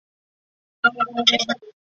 治所在西都县。